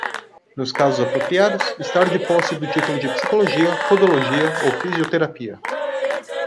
Nos casos apropriados, estar de posse do título de Psicologia, Podologia ou Fisioterapia.